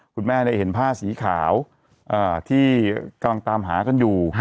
คุณแม่เห็นผ้าสีขาวที่กำลังตามหากันอยู่